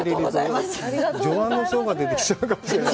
女難の相が出てきちゃうかもしれない。